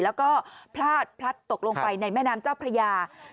แล้วก็พลาดพลัดตกลงไปในแม่น้ำเจ้าพระยา